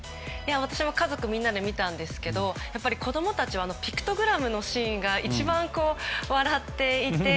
私も家族みんなで見たんですけど子供たちはピクトグラムのシーンが一番笑っていて。